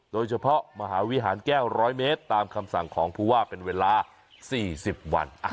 โดยเฉพาะมหาวิหารแก้วร้อยเมตรตามคำสั่งของภูวาเป็นเวลาสี่สิบวัน